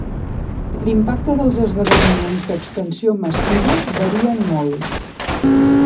L'impacte dels esdeveniments d'extensió massiva varien molt.